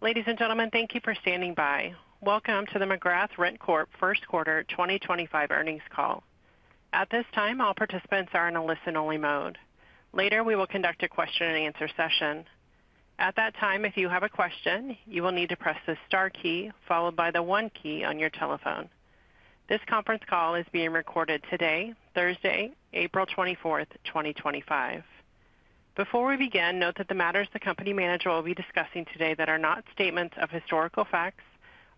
Ladies and gentlemen, thank you for standing by. Welcome to the McGrath RentCorp Q1 2025 Earnings Call. At this time, all participants are in a listen-only mode. Later, we will conduct a question-and-answer session. At that time, if you have a question, you will need to press the star key followed by the one key on your telephone. This conference call is being recorded today, Thursday, April 24, 2025. Before we begin, note that the matters the company manager will be discussing today that are not statements of historical facts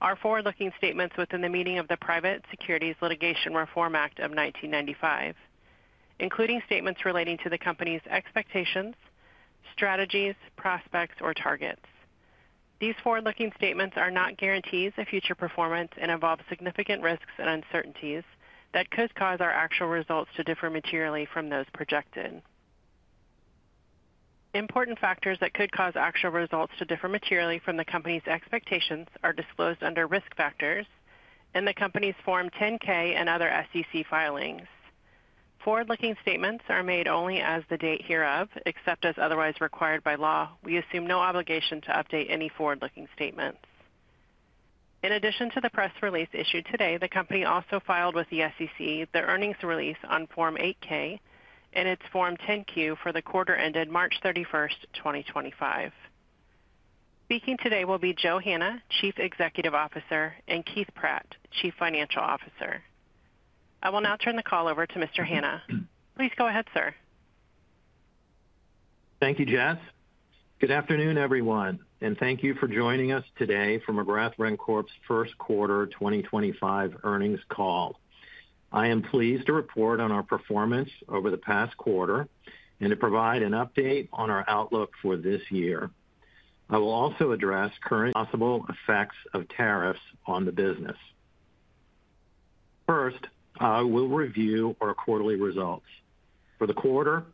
are forward-looking statements within the meaning of the Private Securities Litigation Reform Act of 1995, including statements relating to the company's expectations, strategies, prospects, or targets. These forward-looking statements are not guarantees of future performance and involve significant risks and uncertainties that could cause our actual results to differ materially from those projected. Important factors that could cause actual results to differ materially from the company's expectations are disclosed under risk factors in the company's Form 10-K and other SEC filings. Forward-looking statements are made only as of the date hereof, except as otherwise required by law. We assume no obligation to update any forward-looking statements. In addition to the press release issued today, the company also filed with the SEC the earnings release on Form 8-K and its Form 10-Q for the quarter ended March 31, 2025. Speaking today will be Joe Hanna, Chief Executive Officer, and Keith Pratt, Chief Financial Officer. I will now turn the call over to Mr. Hanna. Please go ahead, sir. Thank you, Jess. Good afternoon, everyone, and thank you for joining us today for McGrath RentCorp's Q1 2025 Earnings Call. I am pleased to report on our performance over the past quarter and to provide an update on our outlook for this year. I will also address current possible effects of tariffs on the business. First, I will review our quarterly results. For the quarter,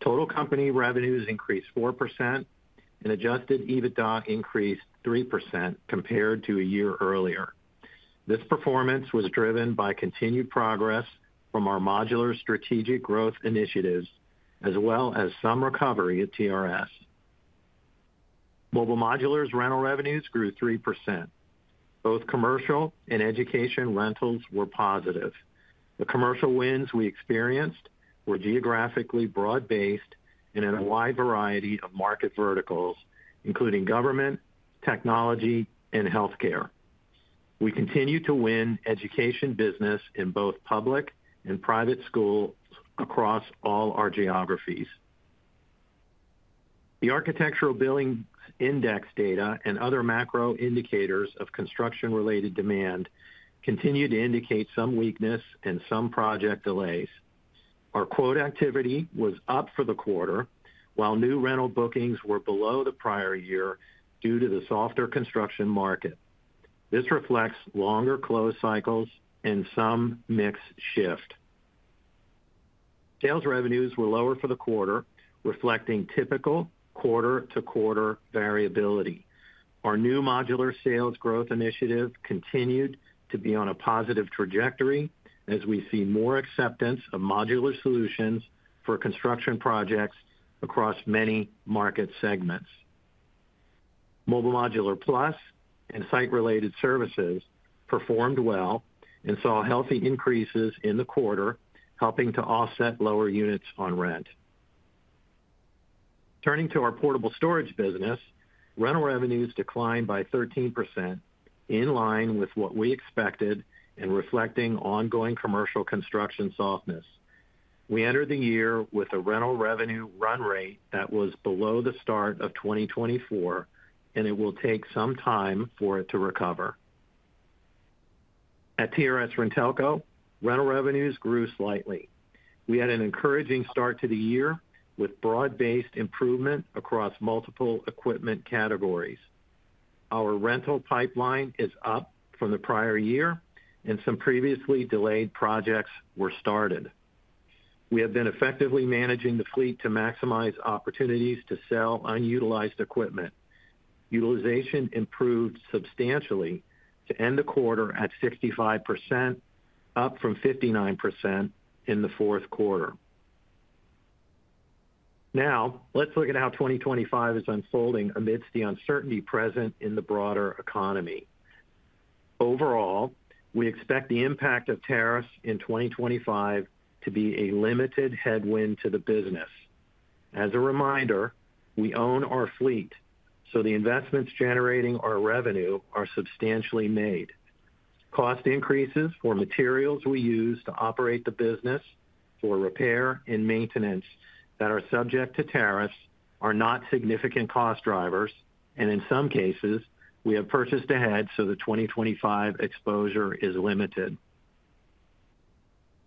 total company revenues increased 4% and adjusted EBITDA increased 3% compared to a year earlier. This performance was driven by continued progress from our modular strategic growth initiatives as well as some recovery at TRS. Mobile Modular's rental revenues grew 3%. Both commercial and education rentals were positive. The commercial wins we experienced were geographically broad-based and in a wide variety of market verticals, including government, technology, and healthcare. We continue to win education business in both public and private schools across all our geographies. The Architecture Billings Index data and other macro indicators of construction-related demand continue to indicate some weakness and some project delays. Our quote activity was up for the quarter, while new rental bookings were below the prior year due to the softer construction market. This reflects longer close cycles and some mix shift. Sales revenues were lower for the quarter, reflecting typical quarter-to-quarter variability. Our new modular sales growth initiative continued to be on a positive trajectory as we see more acceptance of modular solutions for construction projects across many market segments. Mobile Modular Plus and Site-Related Services performed well and saw healthy increases in the quarter, helping to offset lower units on rent. Turning to our Portable Storage business, rental revenues declined by 13%, in line with what we expected and reflecting ongoing commercial construction softness. We entered the year with a rental revenue run rate that was below the start of 2024, and it will take some time for it to recover. At TRS-RenTelco, rental revenues grew slightly. We had an encouraging start to the year with broad-based improvement across multiple equipment categories. Our rental pipeline is up from the prior year, and some previously delayed projects were started. We have been effectively managing the fleet to maximize opportunities to sell unutilized equipment. Utilization improved substantially to end the quarter at 65%, up from 59% in Q4. Now, let's look at how 2025 is unfolding amidst the uncertainty present in the broader economy. Overall, we expect the impact of tariffs in 2025 to be a limited headwind to the business. As a reminder, we own our fleet, so the investments generating our revenue are substantially made. Cost increases for materials we use to operate the business for repair and maintenance that are subject to tariffs are not significant cost drivers, and in some cases, we have purchased ahead so the 2025 exposure is limited.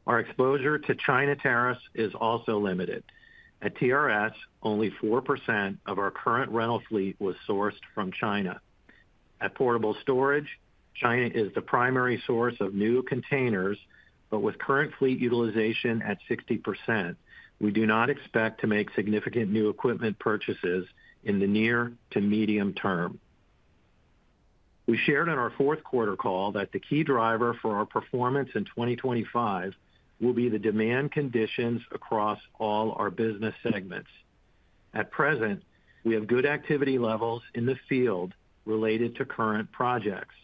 Our exposure to China tariffs is also limited. At TRS, only 4% of our current rental fleet was sourced from China. At portable storage, China is the primary source of new containers, but with current fleet utilization at 60%, we do not expect to make significant new equipment purchases in the near to medium term. We shared on our Q4 call that the key driver for our performance in 2025 will be the demand conditions across all our business segments. At present, we have good activity levels in the field related to current projects.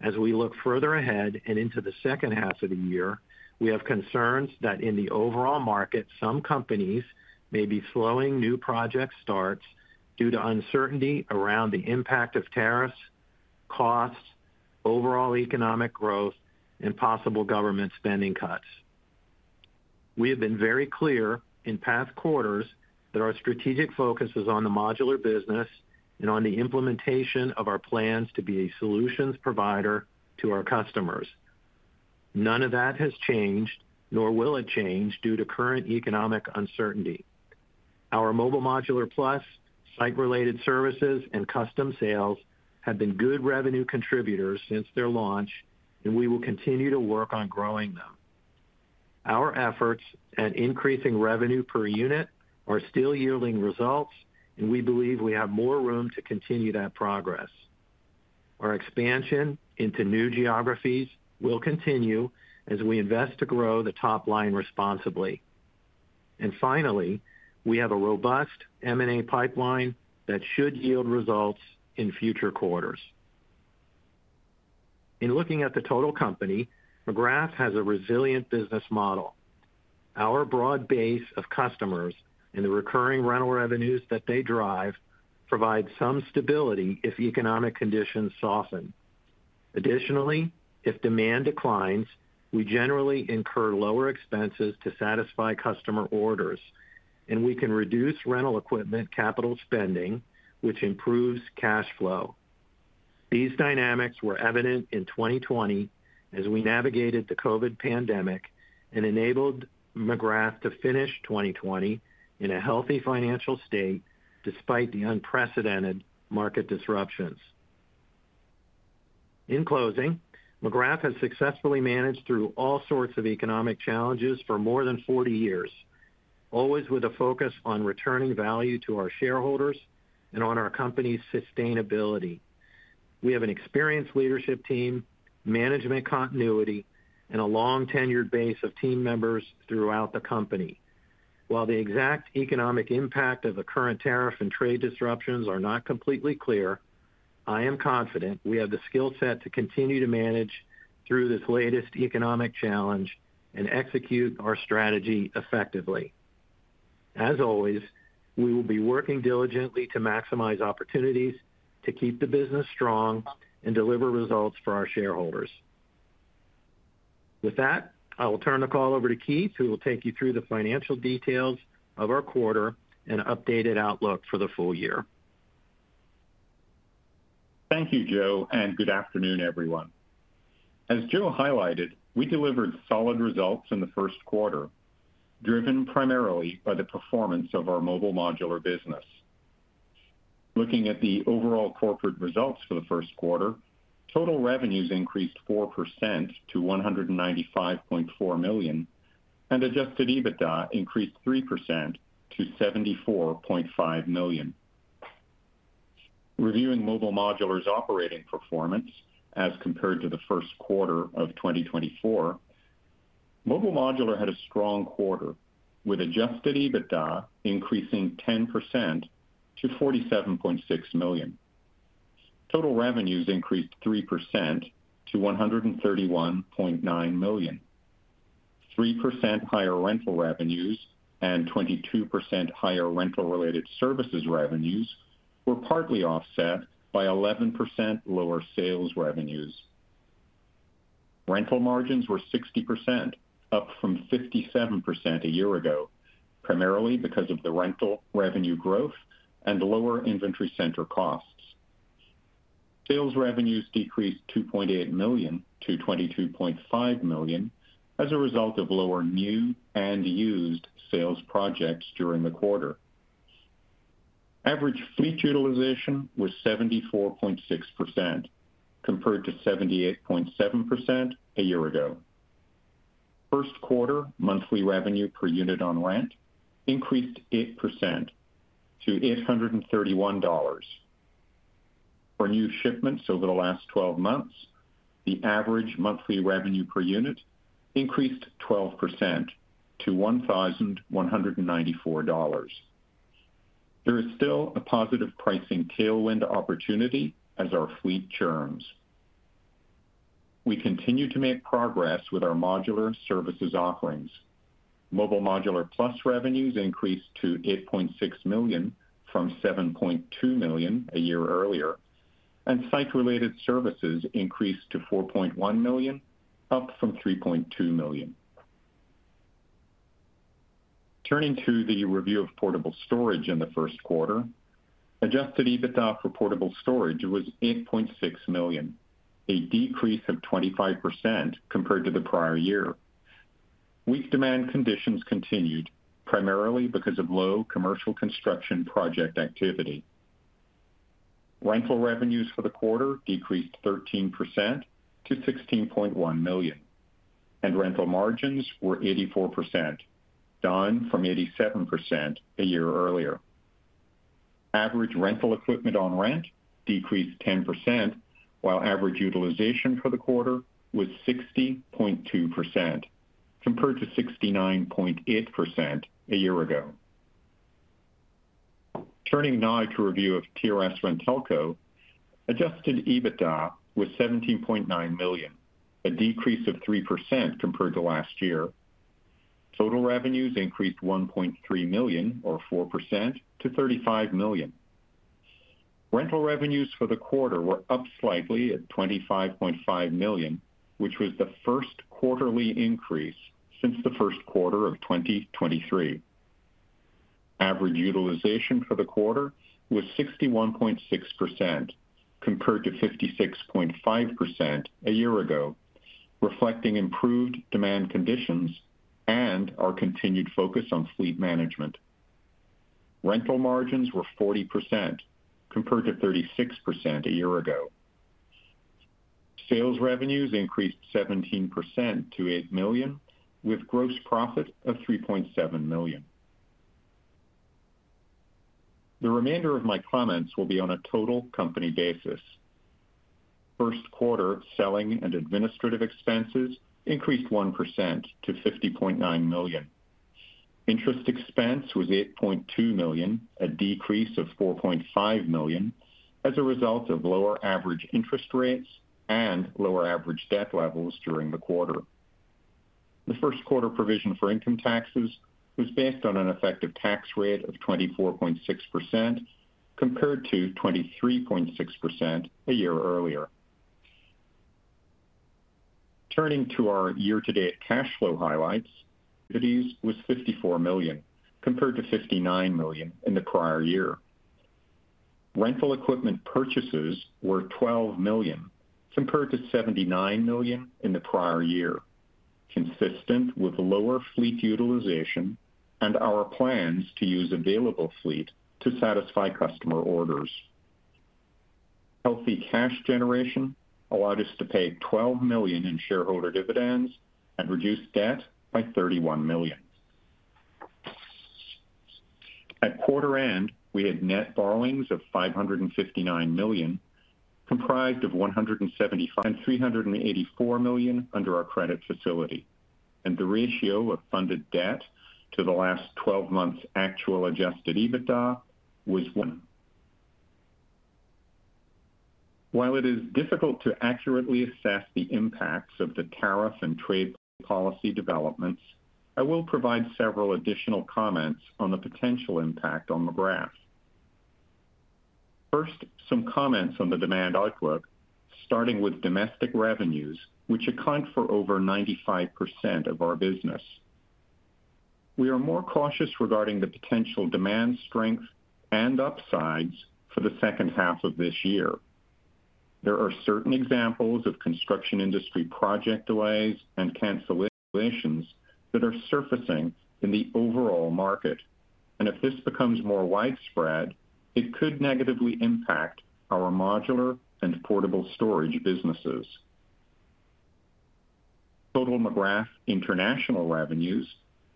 As we look further ahead and into the second half of the year, we have concerns that in the overall market, some companies may be slowing new project starts due to uncertainty around the impact of tariffs, costs, overall economic growth, and possible government spending cuts. We have been very clear in past quarters that our strategic focus is on the modular business and on the implementation of our plans to be a solutions provider to our customers. None of that has changed, nor will it change due to current economic uncertainty. Our Mobile Modular Plus, site-related services, and custom sales have been good revenue contributors since their launch, and we will continue to work on growing them. Our efforts at increasing revenue per unit are still yielding results, and we believe we have more room to continue that progress. Our expansion into new geographies will continue as we invest to grow the top line responsibly. Finally, we have a robust M&A pipeline that should yield results in future quarters. In looking at the total company, McGrath RentCorp has a resilient business model. Our broad base of customers and the recurring rental revenues that they drive provide some stability if economic conditions soften. Additionally, if demand declines, we generally incur lower expenses to satisfy customer orders, and we can reduce rental equipment capital spending, which improves cash flow. These dynamics were evident in 2020 as we navigated the COVID pandemic and enabled McGrath to finish 2020 in a healthy financial state despite the unprecedented market disruptions. In closing, McGrath has successfully managed through all sorts of economic challenges for more than 40 years, always with a focus on returning value to our shareholders and on our company's sustainability. We have an experienced leadership team, management continuity, and a long-tenured base of team members throughout the company. While the exact economic impact of the current tariff and trade disruptions are not completely clear, I am confident we have the skill set to continue to manage through this latest economic challenge and execute our strategy effectively. As always, we will be working diligently to maximize opportunities to keep the business strong and deliver results for our shareholders. With that, I will turn the call over to Keith, who will take you through the financial details of our quarter and updated outlook for the full year. Thank you, Joe, and good afternoon, everyone. As Joe highlighted, we delivered solid results in Q1, driven primarily by the performance of our Mobile Modular business. Looking at the overall corporate results for Q1, total revenues increased 4% to $195.4 million, and adjusted EBITDA increased 3% to $74.5 million. Reviewing Mobile Modular's operating performance as compared to Q1 of 2024, Mobile Modular had a strong quarter, with adjusted EBITDA increasing 10% to $47.6 million. Total revenues increased 3% to $131.9 million. 3% higher rental revenues and 22% higher Rental-Related Services revenues were partly offset by 11% lower sales revenues. Rental margins were 60%, up from 57% a year ago, primarily because of the rental revenue growth and lower Inventory Center costs. Sales revenues decreased $2.8 to 22.5 million as a result of lower new and used sales projects during the quarter. Average fleet utilization was 74.6%, compared to 78.7% a year ago. Q1 monthly revenue per unit on rent increased 8% to $831. For new shipments over the last 12 months, the average monthly revenue per unit increased 12% to $1,194. There is still a positive pricing tailwind opportunity as our fleet churns. We continue to make progress with our modular services offerings. Mobile Modular Plus revenues increased to $8.6 from 7.2 million a year earlier, and site-related services increased to $4.1 up from 3.2 million. Turning to the review of portable storage in the Q1, adjusted EBITDA for portable storage was $8.6 million, a decrease of 25% compared to the prior year. Weak demand conditions continued, primarily because of low commercial construction project activity. Rental revenues for the quarter decreased 13% to $16.1 million, and rental margins were 84%, down from 87% a year earlier. Average rental equipment on rent decreased 10%, while average utilization for the quarter was 60.2%, compared to 69.8% a year ago. Turning now to review of TRS RentCorp, adjusted EBITDA was $17.9 million, a decrease of 3% compared to last year. Total revenues increased $1.3, or 4%, to 35 million. Rental revenues for the quarter were up slightly at $25.5 million, which was the first quarterly increase since Q1 of 2023. Average utilization for the quarter was 61.6%, compared to 56.5% a year ago, reflecting improved demand conditions and our continued focus on fleet management. Rental margins were 40%, compared to 36% a year ago. Sales revenues increased 17% to $8 million, with gross profit of $3.7 million. The remainder of my comments will be on a total company basis. Q1 selling and administrative expenses increased 1% to $50.9 million. Interest expense was $8.2, a decrease of 4.5 million as a result of lower average interest rates and lower average debt levels during the quarter. The Q1 provision for income taxes was based on an effective tax rate of 24.6%, compared to 23.6% a year earlier. Turning to our year-to-date cash flow highlights, was $54 compared to 59 million in the prior year. Rental equipment purchases were $12 compared to 79 million in the prior year, consistent with lower fleet utilization and our plans to use available fleet to satisfy customer orders. Healthy cash generation allowed us to pay $12 million in shareholder dividends and reduce debt by $31 million. At quarter end, we had net borrowings of $559 comprised of 175 and 384 million under our credit facility, and the ratio of funded debt to the last 12 months' actual adjusted EBITDA was one. While it is difficult to accurately assess the impacts of the tariff and trade policy developments, I will provide several additional comments on the potential impact on McGrath. First, some comments on the demand outlook, starting with domestic revenues, which account for over 95% of our business. We are more cautious regarding the potential demand strength and upsides for the second half of this year. There are certain examples of construction industry project delays and cancellations that are surfacing in the overall market, and if this becomes more widespread, it could negatively impact our modular and portable storage businesses. Total McGrath international revenues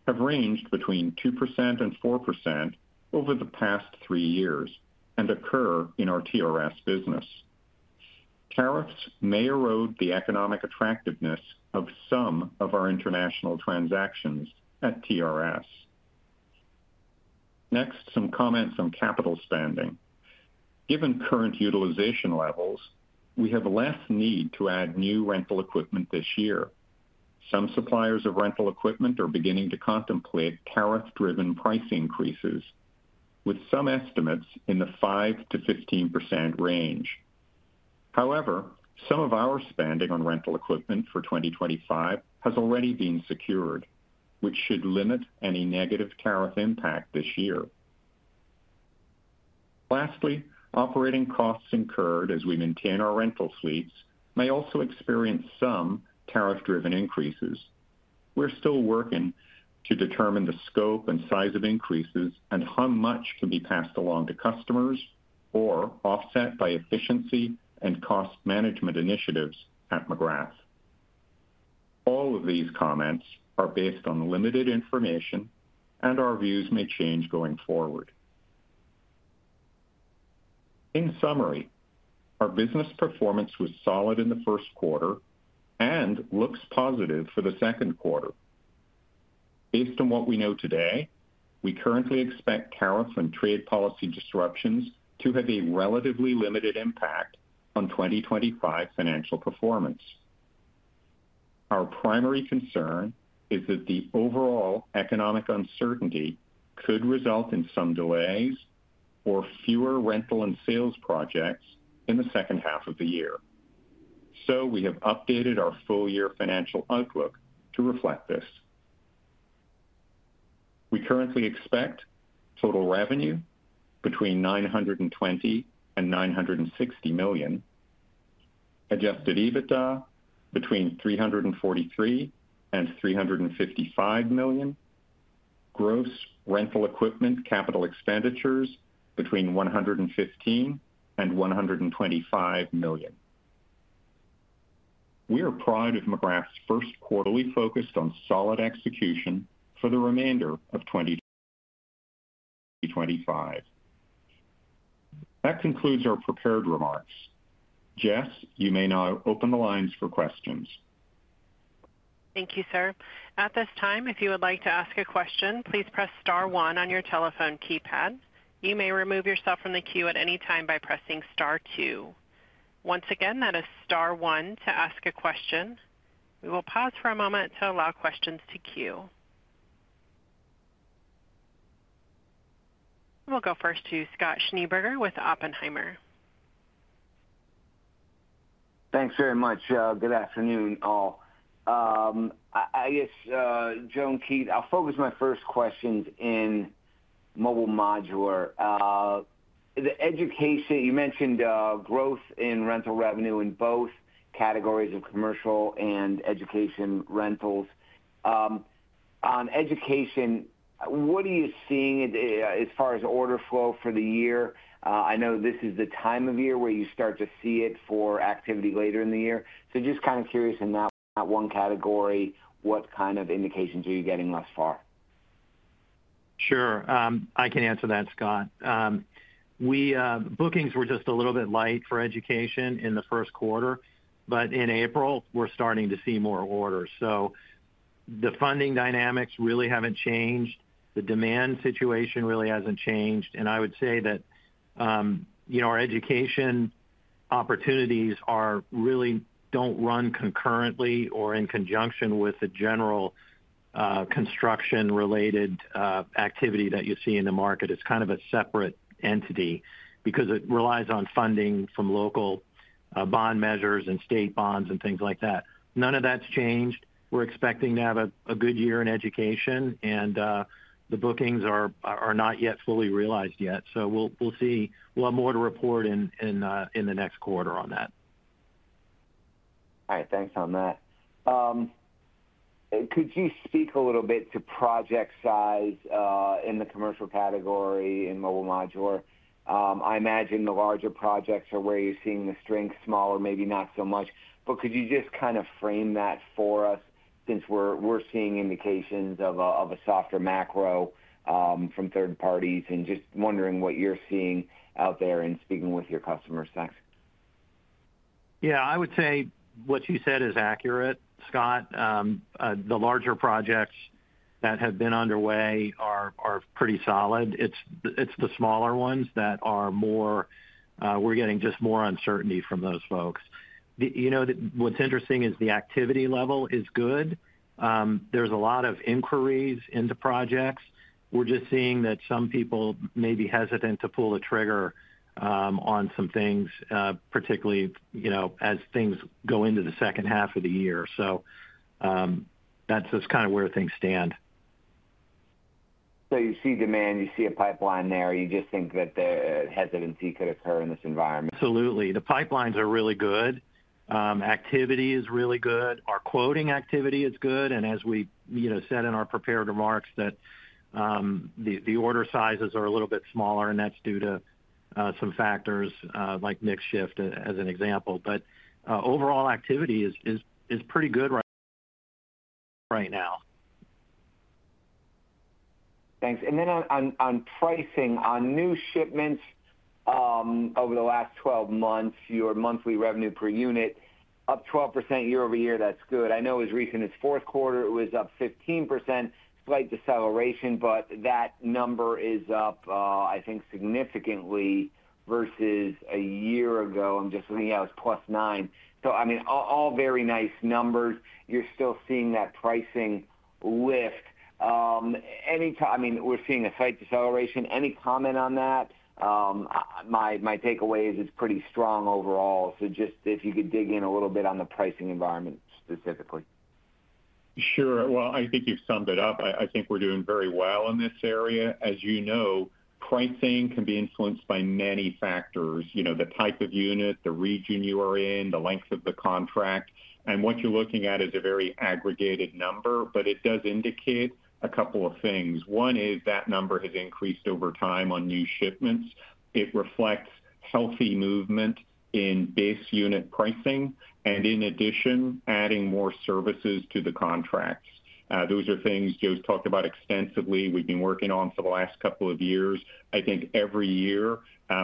have ranged between 2% and 4% over the past three years and occur in our TRS business. Tariffs may erode the economic attractiveness of some of our international transactions at TRS. Next, some comments on capital spending. Given current utilization levels, we have less need to add new rental equipment this year. Some suppliers of rental equipment are beginning to contemplate tariff-driven price increases, with some estimates in the 5%-15% range. However, some of our spending on rental equipment for 2025 has already been secured, which should limit any negative tariff impact this year. Lastly, operating costs incurred as we maintain our rental fleets may also experience some tariff-driven increases. We're still working to determine the scope and size of increases and how much can be passed along to customers or offset by efficiency and cost management initiatives at McGrath. All of these comments are based on limited information, and our views may change going forward. In summary, our business performance was solid in Q1 and looks positive for Q2. Based on what we know today, we currently expect tariff and trade policy disruptions to have a relatively limited impact on 2025 financial performance. Our primary concern is that the overall economic uncertainty could result in some delays or fewer rental and sales projects in the second half of the year. We have updated our full-year financial outlook to reflect this. We currently expect total revenue between $920 and 960 million, adjusted EBITDA between $343 and 355 million, gross rental equipment capital expenditures between $115 and 125 million. We are proud of McGrath's first quarterly focus on solid execution for the remainder of 2025. That concludes our prepared remarks. Jess, you may now open the lines for questions. Thank you, sir. At this time, if you would like to ask a question, please press Star one on your telephone keypad. You may remove yourself from the queue at any time by pressing Star two. Once again, that is Star one to ask a question. We will pause for a moment to allow questions to queue. We'll go first to Scott Schneeberger with Oppenheimer. Thanks very much. Good afternoon, all. I guess, Joe and Keith, I'll focus my first questions in Mobile Modular. You mentioned growth in rental revenue in both categories of commercial and education rentals. On education, what are you seeing as far as order flow for the year? I know this is the time of year where you start to see it for activity later in the year. Just kind of curious, in that one category, what kind of indications are you getting thus far? Sure. I can answer that, Scott. Bookings were just a little bit light for education in Q1, but in April, we're starting to see more orders. The funding dynamics really haven't changed. The demand situation really hasn't changed. I would say that our education opportunities really don't run concurrently or in conjunction with the general construction-related activity that you see in the market. It's kind of a separate entity because it relies on funding from local bond measures and state bonds and things like that. None of that's changed. We're expecting to have a good year in education, and the bookings are not yet fully realized yet. We'll have more to report in the next quarter on that. All right. Thanks on that. Could you speak a little bit to project size in the commercial category in Mobile Modular? I imagine the larger projects are where you're seeing the strength, smaller, maybe not so much. Could you just kind of frame that for us since we're seeing indications of a softer macro from third parties? Just wondering what you're seeing out there and speaking with your customer secs. Yeah. I would say what you said is accurate, Scott. The larger projects that have been underway are pretty solid. It's the smaller ones that are more—we're getting just more uncertainty from those folks. What's interesting is the activity level is good. There's a lot of inquiries into projects. We're just seeing that some people may be hesitant to pull the trigger on some things, particularly as things go into the second half of the year. That is just kind of where things stand. You see demand, you see a pipeline there. You just think that the hesitancy could occur in this environment. Absolutely. The pipelines are really good. Activity is really good. Our quoting activity is good. As we said in our prepared remarks, the order sizes are a little bit smaller, and that is due to some factors like mixed shift as an example. Overall, activity is pretty good right now. Thanks. Then on pricing, on new shipments over the last 12 months, your monthly revenue per unit up 12% year over year. That's good. I know as recent as Q4, it was up 15%, slight deceleration, but that number is up, I think, significantly versus a year ago. I'm just looking at it as +9. I mean, all very nice numbers. You're still seeing that pricing lift. I mean, we're seeing a slight deceleration. Any comment on that? My takeaway is it's pretty strong overall. Just if you could dig in a little bit on the pricing environment specifically. Sure. I think you've summed it up. I think we're doing very well in this area. As you know, pricing can be influenced by many factors: the type of unit, the region you are in, the length of the contract. What you're looking at is a very aggregated number, but it does indicate a couple of things. One is that number has increased over time on new shipments. It reflects healthy movement in base unit pricing and, in addition, adding more services to the contracts. Those are things Joe's talked about extensively. We've been working on for the last couple of years. I think every year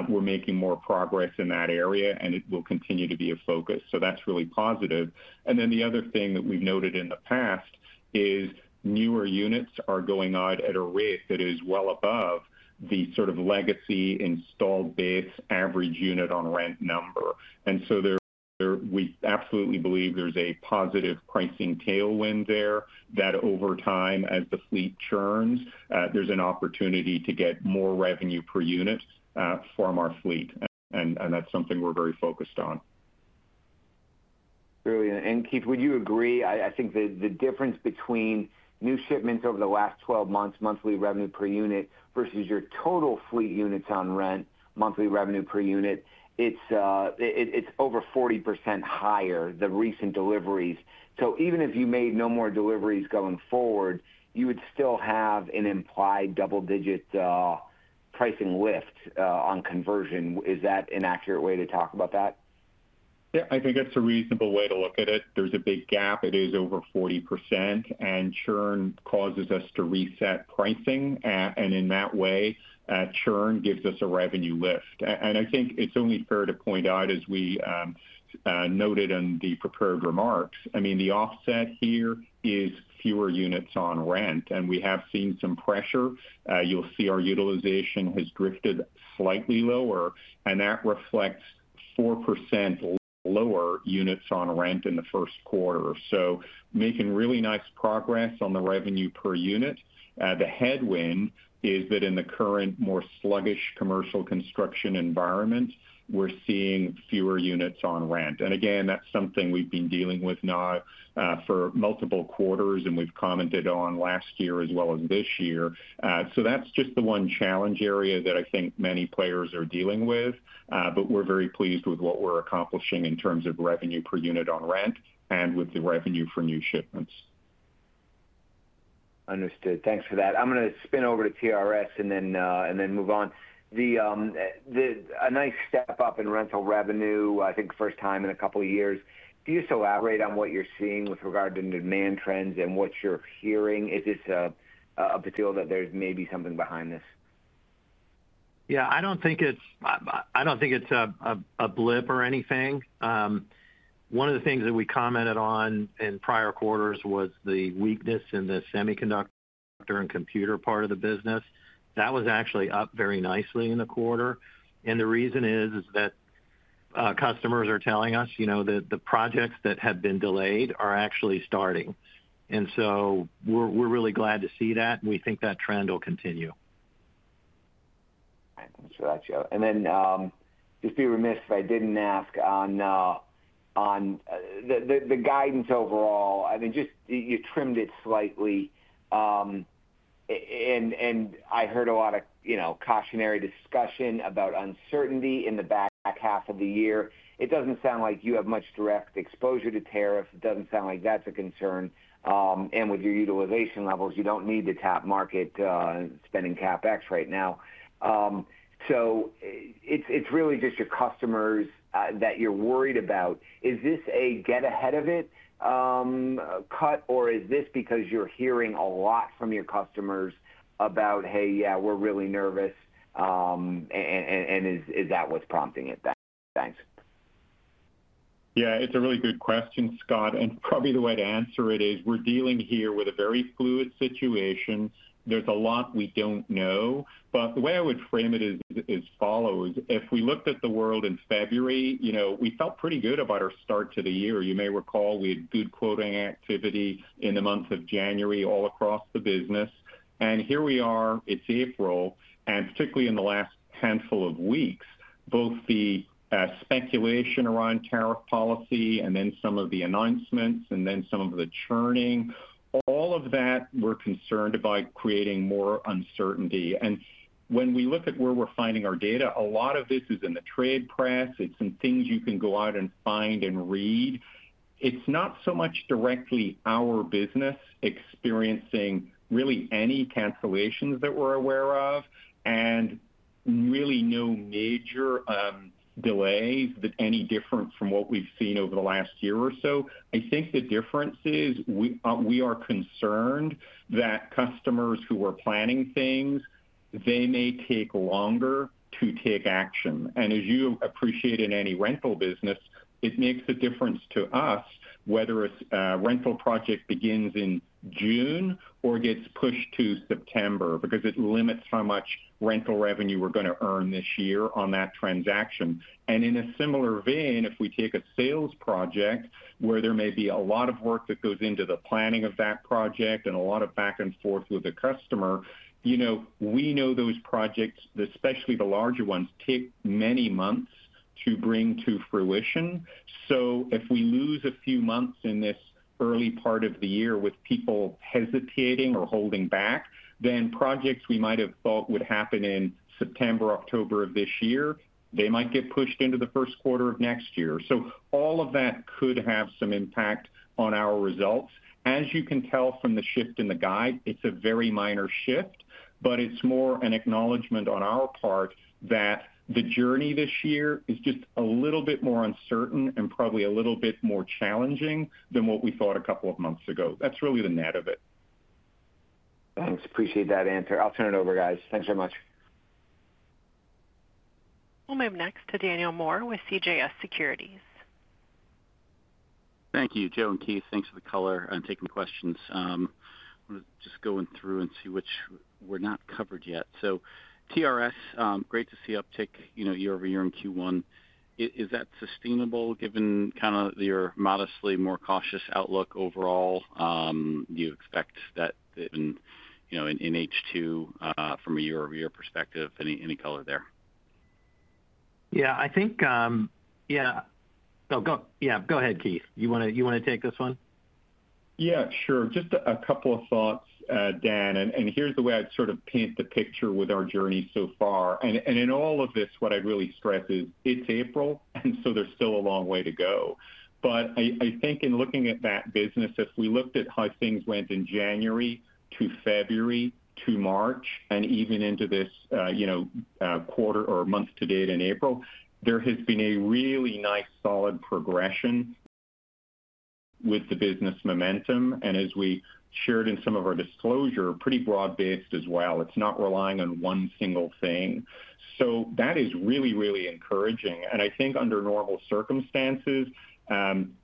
we're making more progress in that area, and it will continue to be a focus. That's really positive. The other thing that we've noted in the past is newer units are going out at a rate that is well above the sort of legacy installed base average unit on rent number. We absolutely believe there's a positive pricing tailwind there that, over time, as the fleet churns, there's an opportunity to get more revenue per unit from our fleet. That's something we're very focused on. Brilliant. Keith, would you agree? I think the difference between new shipments over the last 12 months, monthly revenue per unit versus your total fleet units on rent, monthly revenue per unit, it's over 40% higher, the recent deliveries. Even if you made no more deliveries going forward, you would still have an implied double-digit pricing lift on conversion. Is that an accurate way to talk about that? Yeah. I think it's a reasonable way to look at it. There's a big gap. It is over 40%, and churn causes us to reset pricing. In that way, churn gives us a revenue lift. I think it's only fair to point out, as we noted in the prepared remarks, the offset here is fewer units on rent. We have seen some pressure. You'll see our utilization has drifted slightly lower, and that reflects 4% lower units on rent in Q1. Making really nice progress on the revenue per unit. The headwind is that in the current more sluggish commercial construction environment, we're seeing fewer units on rent. That's something we've been dealing with now for multiple quarters, and we've commented on last year as well as this year. That's just the one challenge area that I think many players are dealing with, but we're very pleased with what we're accomplishing in terms of revenue per unit on rent and with the revenue for new shipments. Understood. Thanks for that. I'm going to spin over to TRS and then move on. A nice step up in rental revenue, I think first time in a couple of years. Do you still outrate on what you're seeing with regard to demand trends and what you're hearing? Is this a feel that there's maybe something behind this? Yeah. I don't think it's a blip or anything. One of the things that we commented on in prior quarters was the weakness in the semiconductor and computer part of the business. That was actually up very nicely in the quarter. The reason is that customers are telling us the projects that have been delayed are actually starting. We are really glad to see that. We think that trend will continue. Thanks for that, Joe. I would be remiss if I did not ask on the guidance overall. I mean, you trimmed it slightly. I heard a lot of cautionary discussion about uncertainty in the back half of the year. It does not sound like you have much direct exposure to tariffs. It does not sound like that is a concern. With your utilization levels, you do not need to tap market spending CapEx right now. It is really just your customers that you are worried about. Is this a get ahead of it cut, or is this because you are hearing a lot from your customers about, "Hey, yeah, we are really nervous," and is that what is prompting it? Thanks. Yeah. It's a really good question, Scott. Probably the way to answer it is we're dealing here with a very fluid situation. There's a lot we don't know. The way I would frame it is as follows. If we looked at the world in February, we felt pretty good about our start to the year. You may recall we had good quoting activity in the month of January all across the business. Here we are, it's April. Particularly in the last handful of weeks, both the speculation around tariff policy and then some of the announcements and then some of the churning, all of that, we're concerned about creating more uncertainty. When we look at where we're finding our data, a lot of this is in the trade press. It's in things you can go out and find and read. It's not so much directly our business experiencing really any cancellations that we're aware of and really no major delays that are any different from what we've seen over the last year or so. I think the difference is we are concerned that customers who are planning things, they may take longer to take action. As you appreciate in any rental business, it makes a difference to us whether a rental project begins in June or gets pushed to September because it limits how much rental revenue we're going to earn this year on that transaction. In a similar vein, if we take a sales project where there may be a lot of work that goes into the planning of that project and a lot of back and forth with the customer, we know those projects, especially the larger ones, take many months to bring to fruition. If we lose a few months in this early part of the year with people hesitating or holding back, then projects we might have thought would happen in September, October of this year, they might get pushed into Q1 of next year. All of that could have some impact on our results. As you can tell from the shift in the guide, it's a very minor shift, but it's more an acknowledgment on our part that the journey this year is just a little bit more uncertain and probably a little bit more challenging than what we thought a couple of months ago. That's really the net of it. Thanks. Appreciate that answer. I'll turn it over, guys. Thanks very much. We'll move next to Daniel Moore with CJS Securities. Thank you, Joe and Keith. Thanks for the color and taking questions. I'm just going through and see which were not covered yet. TRS, great to see uptick year over year in Q1. Is that sustainable given kind of your modestly more cautious outlook overall? Do you expect that. In H2 from a year-over-year perspective? Any color there? Yeah, I think yeah. Oh, go. Yeah. Go ahead, Keith. You want to take this one? Yeah. Sure. Just a couple of thoughts, Dan. Here's the way I'd sort of paint the picture with our journey so far. In all of this, what I'd really stress is it's April, and so there's still a long way to go. I think in looking at that business, if we looked at how things went in January to February to March and even into this quarter or month to date in April, there has been a really nice solid progression with the business momentum. As we shared in some of our disclosure, pretty broad-based as well. It's not relying on one single thing. That is really, really encouraging. I think under normal circumstances,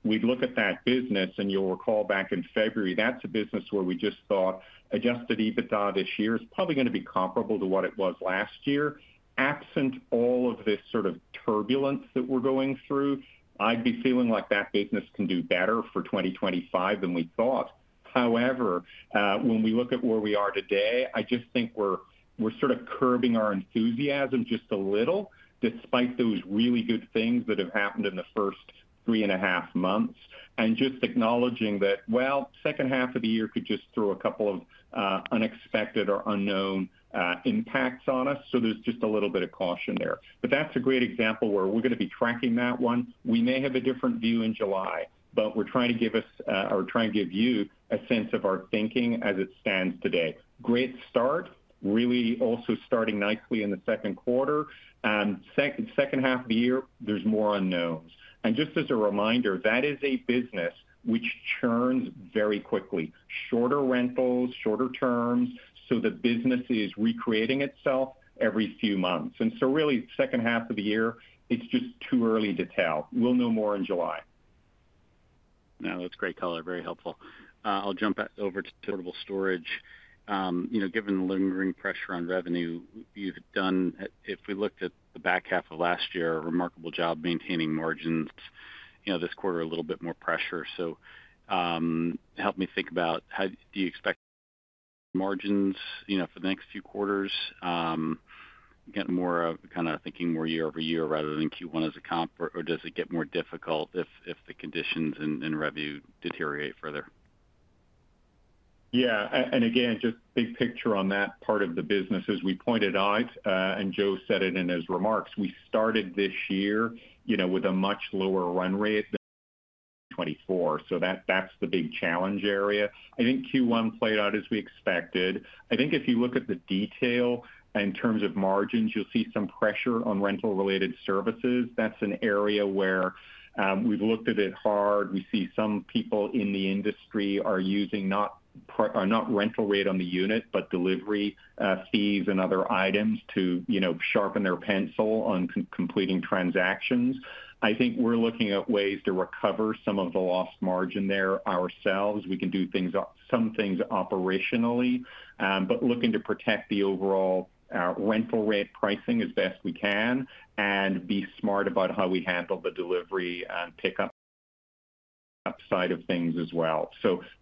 we'd look at that business, and you'll recall back in February, that's a business where we just thought adjusted EBITDA this year is probably going to be comparable to what it was last year. Absent all of this sort of turbulence that we're going through, I'd be feeling like that business can do better for 2025 than we thought. However, when we look at where we are today, I just think we're sort of curbing our enthusiasm just a little despite those really good things that have happened in the first three and a half months and just acknowledging that, well, second half of the year could just throw a couple of unexpected or unknown impacts on us. There is just a little bit of caution there. That is a great example where we're going to be tracking that one. We may have a different view in July, but we are trying to give us or trying to give you a sense of our thinking as it stands today. Great start, really also starting nicely in Q2. Second half of the year, there are more unknowns. Just as a reminder, that is a business which churns very quickly. Shorter rentals, shorter terms. The business is recreating itself every few months. Really, second half of the year, it is just too early to tell. We will know more in July. No, that's great color. Very helpful. I'll jump over to portable storage. Given the lingering pressure on revenue, you've done, if we looked at the back half of last year, a remarkable job maintaining margins. This quarter, a little bit more pressure. Help me think about how do you expect margins for the next few quarters? Getting more of kind of thinking more year over year rather than Q1 as a comp, or does it get more difficult if the conditions and revenue deteriorate further? Yeah. Again, just big picture on that part of the business, as we pointed out, and Joe said it in his remarks, we started this year with a much lower run rate than 2024. That is the big challenge area. I think Q1 played out as we expected. I think if you look at the detail in terms of margins, you'll see some pressure on rental-related services. That is an area where we've looked at it hard. We see some people in the industry are using not rental rate on the unit, but delivery fees and other items to sharpen their pencil on completing transactions. I think we're looking at ways to recover some of the lost margin there ourselves. We can do some things operationally, but looking to protect the overall rental rate pricing as best we can and be smart about how we handle the delivery and pickup side of things as well.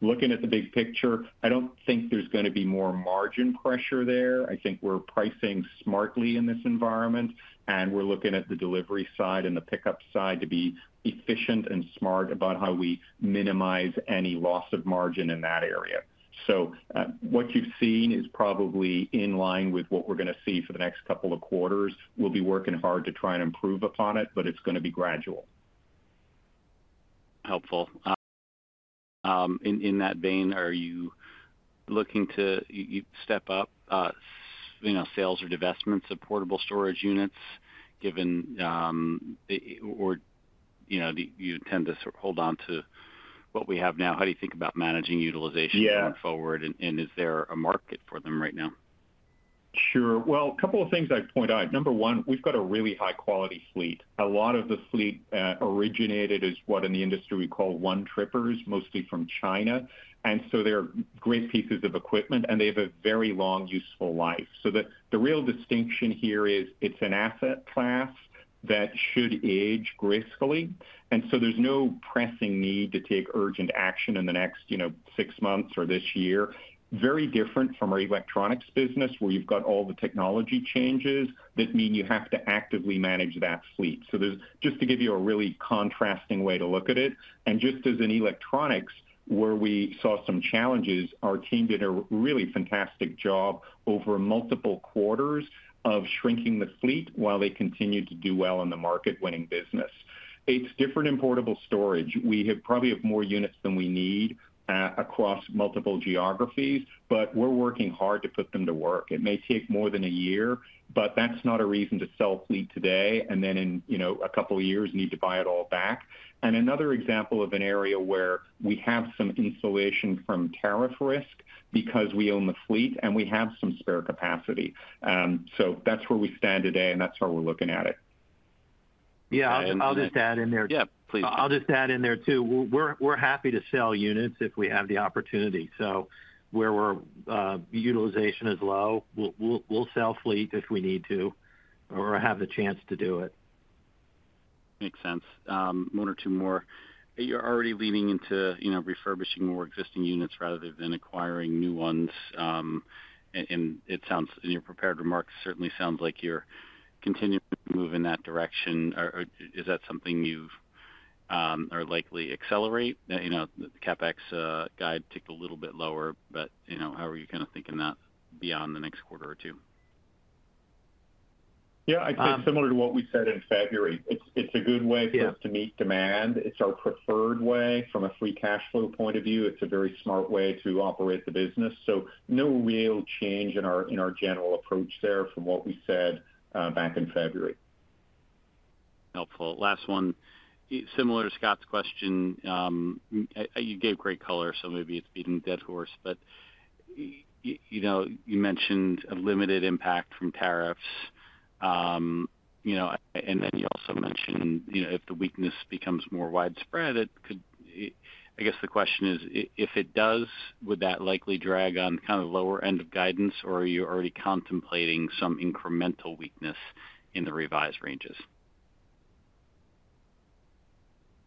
Looking at the big picture, I do not think there is going to be more margin pressure there. I think we are pricing smartly in this environment, and we are looking at the delivery side and the pickup side to be efficient and smart about how we minimize any loss of margin in that area. What you have seen is probably in line with what we are going to see for the next couple of quarters. We will be working hard to try and improve upon it, but it is going to be gradual. Helpful. In that vein, are you looking to step up sales or divestments of portable storage units given or you tend to hold on to what we have now? How do you think about managing utilization going forward, and is there a market for them right now? Sure. A couple of things I'd point out. Number one, we've got a really high-quality fleet. A lot of the fleet originated as what in the industry we call one-trippers, mostly from China. They're great pieces of equipment, and they have a very long useful life. The real distinction here is it's an asset class that should age gracefully. There's no pressing need to take urgent action in the next six months or this year. Very different from our electronics business where you've got all the technology changes that mean you have to actively manage that fleet. Just to give you a really contrasting way to look at it. Just as in electronics, where we saw some challenges, our team did a really fantastic job over multiple quarters of shrinking the fleet while they continued to do well in the market-winning business. It's different in portable storage. We probably have more units than we need across multiple geographies, but we're working hard to put them to work. It may take more than a year, but that's not a reason to sell fleet today and then in a couple of years need to buy it all back. Another example of an area where we have some insulation from tariff risk because we own the fleet and we have some spare capacity. That's where we stand today, and that's how we're looking at it. Yeah. I'll just add in there. Yeah, please. I'll just add in there too. We're happy to sell units if we have the opportunity. Where utilization is low, we'll sell fleet if we need to or have the chance to do it. Makes sense. One or two more. You're already leaning into refurbishing more existing units rather than acquiring new ones. And in your prepared remarks, it certainly sounds like you're continuing to move in that direction. Is that something you are likely to accelerate? The CapEx guide ticked a little bit lower, but how are you kind of thinking that beyond the next quarter or two? Yeah. I think similar to what we said in February. It's a good way for us to meet demand. It's our preferred way from a free cash flow point of view. It's a very smart way to operate the business. No real change in our general approach there from what we said back in February. Helpful. Last one. Similar to Scott's question, you gave great color, so maybe it's beating the dead horse. You mentioned a limited impact from tariffs. You also mentioned if the weakness becomes more widespread, it could—I guess the question is, if it does, would that likely drag on kind of the lower end of guidance, or are you already contemplating some incremental weakness in the revised ranges?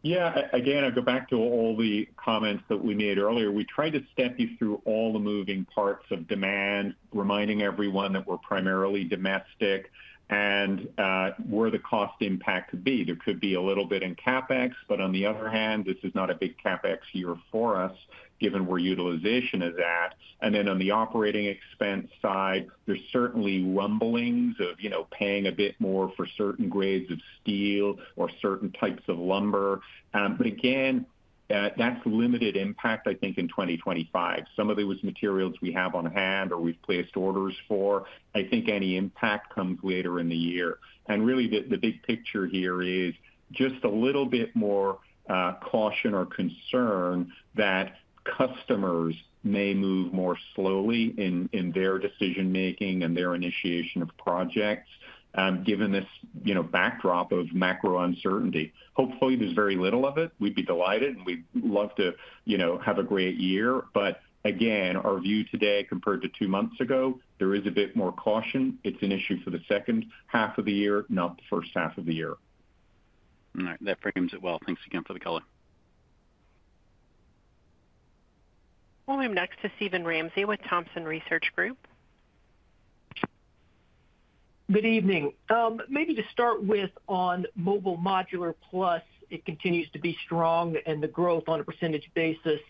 Yeah. Again, I'll go back to all the comments that we made earlier. We tried to step you through all the moving parts of demand, reminding everyone that we're primarily domestic, and where the cost impact could be. There could be a little bit in CapEx, but on the other hand, this is not a big CapEx year for us given where utilization is at. On the operating expense side, there's certainly rumblings of paying a bit more for certain grades of steel or certain types of lumber. Again, that's limited impact, I think, in 2025. Some of it was materials we have on hand or we've placed orders for. I think any impact comes later in the year. Really, the big picture here is just a little bit more caution or concern that customers may move more slowly in their decision-making and their initiation of projects given this backdrop of macro uncertainty. Hopefully, there is very little of it. We'd be delighted, and we'd love to have a great year. Again, our view today compared to two months ago, there is a bit more caution. It's an issue for the second half of the year, not the first half of the year. All right. That frames it well. Thanks again for the color. We'll move next to Steven Ramsey with Thompson Research Group. Good evening. Maybe to start with, on Mobile Modular Plus, it continues to be strong, and the growth on a % basis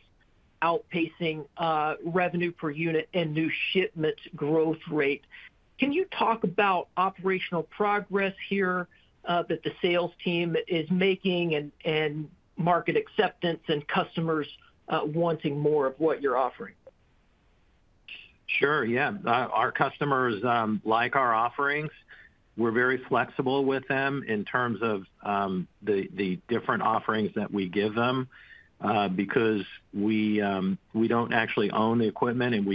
outpacing revenue per unit and new shipment growth rate. Can you talk about operational progress here that the sales team is making and market acceptance and customers wanting more of what you're offering? Sure. Yeah. Our customers like our offerings. We're very flexible with them in terms of the different offerings that we give them because we don't actually own the equipment, and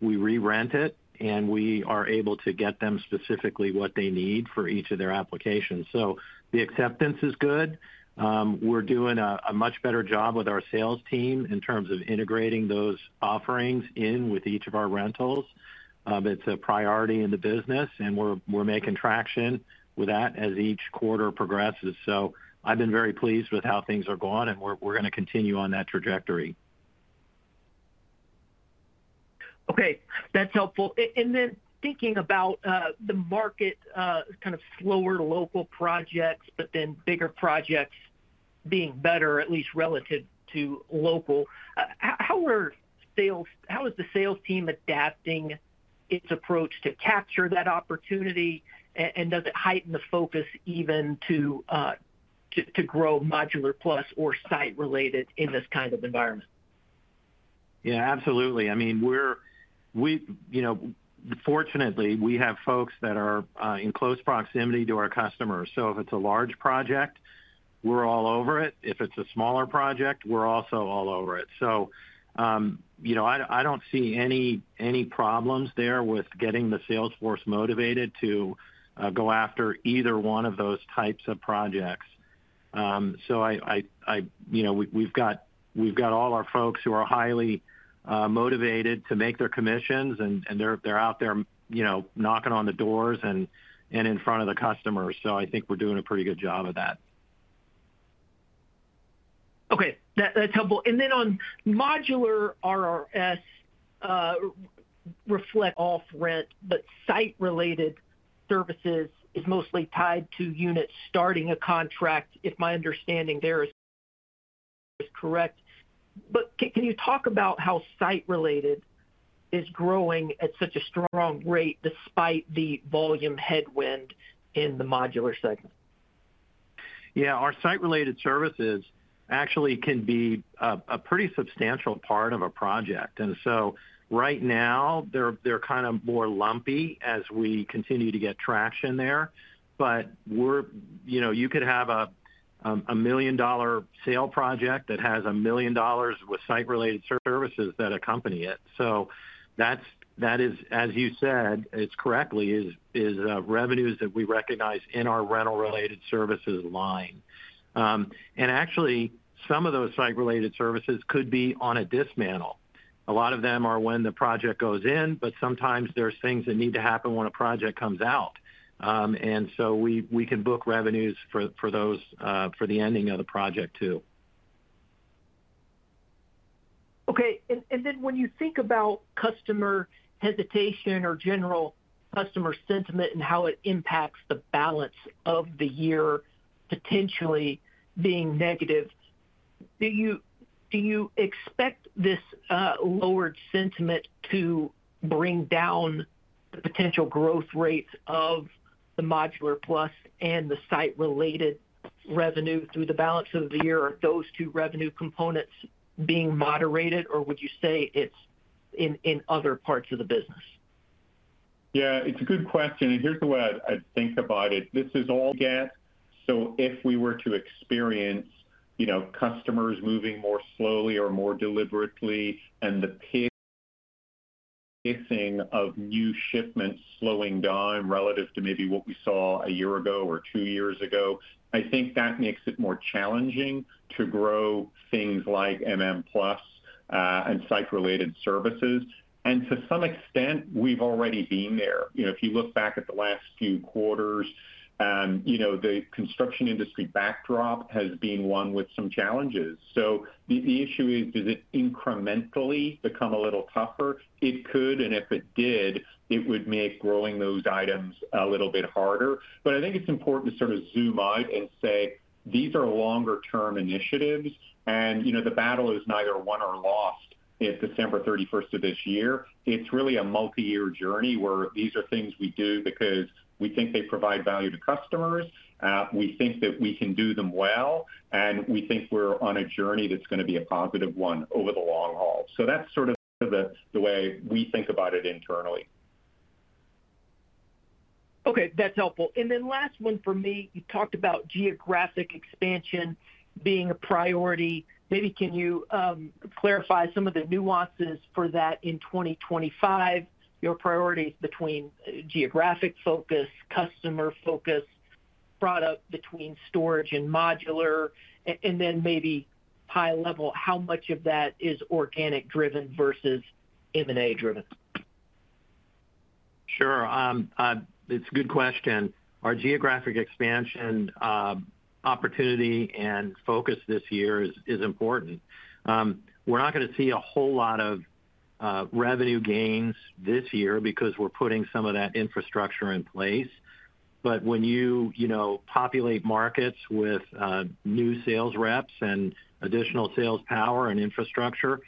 we re-rent it, and we are able to get them specifically what they need for each of their applications. The acceptance is good. We're doing a much better job with our sales team in terms of integrating those offerings in with each of our rentals. It's a priority in the business, and we're making traction with that as each quarter progresses. I've been very pleased with how things are going, and we're going to continue on that trajectory. Okay. That's helpful. Thinking about the market, kind of slower local projects, but then bigger projects being better, at least relative to local, how is the sales team adapting its approach to capture that opportunity, and does it heighten the focus even to grow Modular Plus or site-related in this kind of environment? Yeah. Absolutely. I mean, fortunately, we have folks that are in close proximity to our customers. If it's a large project, we're all over it. If it's a smaller project, we're also all over it. I don't see any problems there with getting the salesforce motivated to go after either one of those types of projects. We've got all our folks who are highly motivated to make their commissions, and they're out there knocking on the doors and in front of the customers. I think we're doing a pretty good job of that. Okay. That's helpful. On modular RRS, reflect off rent, but site-related services is mostly tied to units starting a contract, if my understanding there is correct. Can you talk about how site-related is growing at such a strong rate despite the volume headwind in the modular segment? Yeah. Our site-related services actually can be a pretty substantial part of a project. Right now, they're kind of more lumpy as we continue to get traction there. You could have a million-dollar sale project that has a million dollars with site-related services that accompany it. That is, as you said correctly, revenues that we recognize in our rental-related services line. Actually, some of those site-related services could be on a dismantle. A lot of them are when the project goes in, but sometimes there are things that need to happen when a project comes out. We can book revenues for the ending of the project too. Okay. When you think about customer hesitation or general customer sentiment and how it impacts the balance of the year potentially being negative, do you expect this lowered sentiment to bring down the potential growth rate of the Modular Plus and the Site-Related Services revenue through the balance of the year, those two revenue components being moderated, or would you say it's in other parts of the business? Yeah. It's a good question. Here's the way I think about it. This is get. If we were to experience customers moving more slowly or more deliberately and the pacing of new shipments slowing down relative to maybe what we saw a year ago or two years ago, I think that makes it more challenging to grow things like MM Plus and site-related services. To some extent, we've already been there. If you look back at the last few quarters, the construction industry backdrop has been one with some challenges. The issue is, does it incrementally become a little tougher? It could. If it did, it would make growing those items a little bit harder. I think it's important to sort of zoom out and say, "These are longer-term initiatives, and the battle is neither won nor lost on December 31, 2023." It's really a multi-year journey where these are things we do because we think they provide value to customers. We think that we can do them well, and we think we're on a journey that's going to be a positive one over the long haul. That's sort of the way we think about it internally. Okay. That's helpful. Last one for me, you talked about geographic expansion being a priority. Maybe can you clarify some of the nuances for that in 2025? Your priorities between geographic focus, customer focus, product between storage and modular, and then maybe high level, how much of that is organic-driven versus M&A-driven? Sure. It's a good question. Our geographic expansion opportunity and focus this year is important. We're not going to see a whole lot of revenue gains this year because we're putting some of that infrastructure in place. When you populate markets with new sales reps and additional sales power and infrastructure,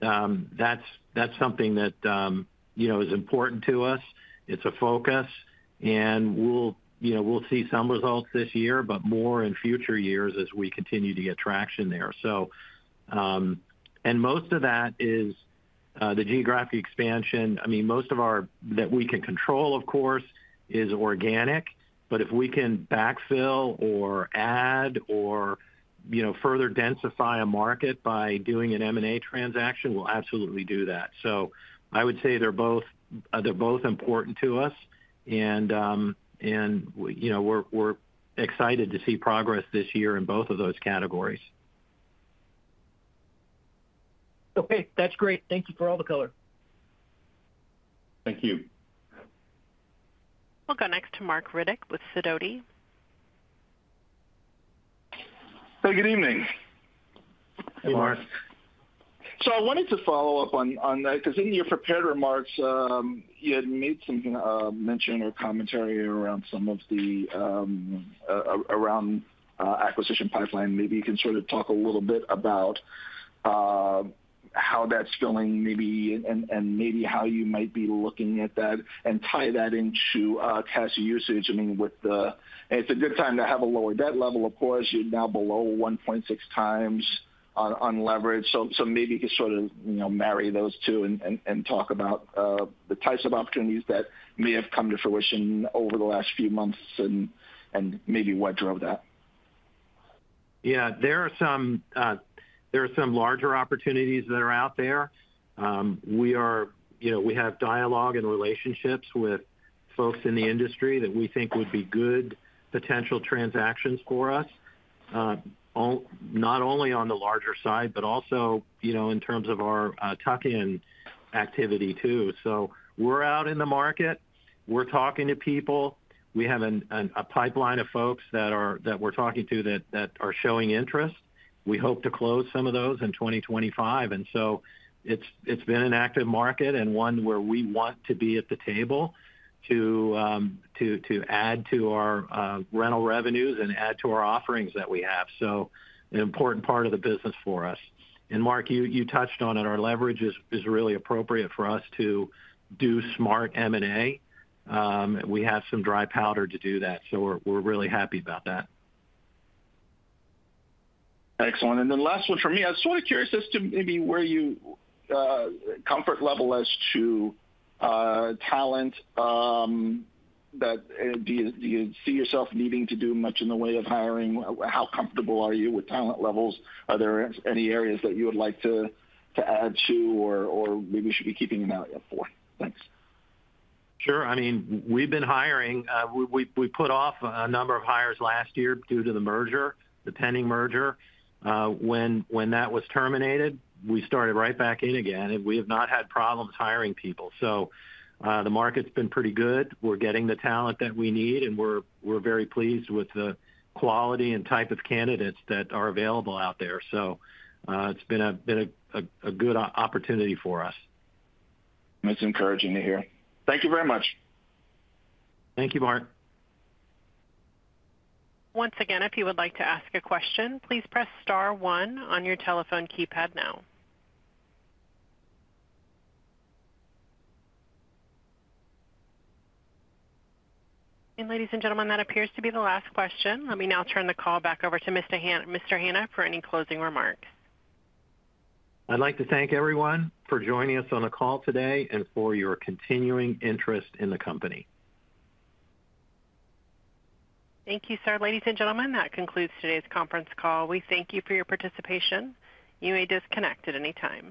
that's something that is important to us. It's a focus. We'll see some results this year, but more in future years as we continue to get traction there. Most of that is the geographic expansion. I mean, most of our that we can control, of course, is organic. If we can backfill or add or further densify a market by doing an M&A transaction, we'll absolutely do that. I would say they're both important to us, and we're excited to see progress this year in both of those categories. Okay. That's great. Thank you for all the color. Thank you. We'll go next to Marc Riddick with Sidoti. Hey, good evening. Hey, Marc. I wanted to follow up on that because in your prepared remarks, you had made some mention or commentary around some of the acquisition pipeline. Maybe you can sort of talk a little bit about how that's feeling maybe and maybe how you might be looking at that and tie that into cash usage. I mean, it's a good time to have a lower debt level, of course. You're now below 1.6 times on leverage. Maybe you could sort of marry those two and talk about the types of opportunities that may have come to fruition over the last few months and maybe what drove that. Yeah. There are some larger opportunities that are out there. We have dialogue and relationships with folks in the industry that we think would be good potential transactions for us, not only on the larger side, but also in terms of our tuck-in activity too. We are out in the market. We are talking to people. We have a pipeline of folks that we are talking to that are showing interest. We hope to close some of those in 2025. It has been an active market and one where we want to be at the table to add to our rental revenues and add to our offerings that we have. An important part of the business for us. Marc, you touched on it. Our leverage is really appropriate for us to do smart M&A. We have some dry powder to do that. We are really happy about that. Excellent. Last one for me. I was sort of curious as to maybe where your comfort level is as to talent. Do you see yourself needing to do much in the way of hiring? How comfortable are you with talent levels? Are there any areas that you would like to add to or maybe we should be keeping an eye out for? Thanks. Sure. I mean, we've been hiring. We put off a number of hires last year due to the merger, the pending merger. When that was terminated, we started right back in again, and we have not had problems hiring people. The market's been pretty good. We're getting the talent that we need, and we're very pleased with the quality and type of candidates that are available out there. It's been a good opportunity for us. That's encouraging to hear. Thank you very much. Thank you, Marc. Once again, if you would like to ask a question, please press star one on your telephone keypad now. Ladies and gentlemen, that appears to be the last question. Let me now turn the call back over to Mr. Hanna for any closing remarks. I'd like to thank everyone for joining us on the call today and for your continuing interest in the company. Thank you, sir. Ladies and gentlemen, that concludes today's conference call. We thank you for your participation. You may disconnect at any time.